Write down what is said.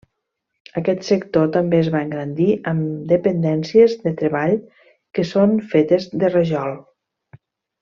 Aquest sector també es va engrandir amb dependències de treball que són fetes de rajol.